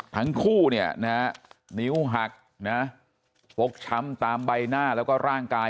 ทั้งคู่เนี่ยนะฮะนิ้วหักนะฟกช้ำตามใบหน้าแล้วก็ร่างกาย